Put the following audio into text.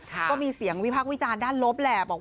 ก็มีเสียงวิพักษ์วิจารณ์ด้านลบแหละบอก